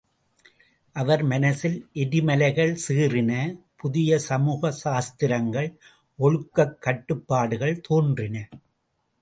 அவர் மனசில் எரிமலைகள் சீறின புதிய சமூக சாஸ்திரங்கள், ஒழுக்கக் கட்டுப்பாடுகள் தோன்றின.